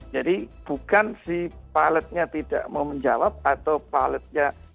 jadi bukan si pilotnya tidak mau menjawab atau pilotnya